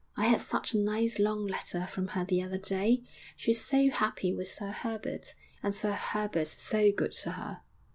I had such a nice long letter from her the other day. She's so happy with Sir Herbert. And Sir Herbert's so good to her.'